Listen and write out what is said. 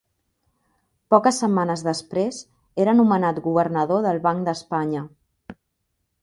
Poques setmanes després, era nomenat governador del Banc d'Espanya.